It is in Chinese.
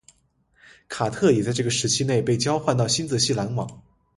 卡特也在这个时期内被交换到新泽西篮网。